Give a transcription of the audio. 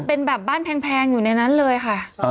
เป็นแบบบ้านแพงอยู่ในนั้นเลยค่ะ